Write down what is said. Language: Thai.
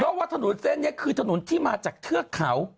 เพราะว่าถนนเส้นนี้คือถนนที่มาจากเทือกเขา